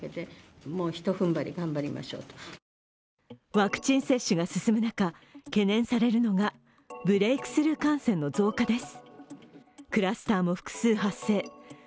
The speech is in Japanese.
ワクチン接種が進む中、懸念されるのがブレークスルー感染の増加です。